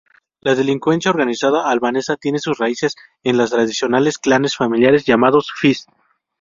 La delincuencia organizada albanesa tiene sus raíces en los tradicionales clanes familiares llamados "Fis".